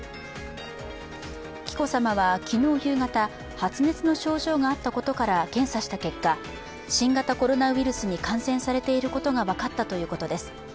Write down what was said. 紀子さまは昨日夕方発熱の症状があったことから検査した結果、新型コロナウイルスに感染されていることが分かったということです。